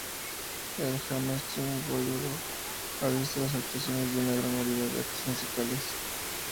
El Hammerstein Ballroom ha visto las actuaciones de una gran variedad de actos musicales.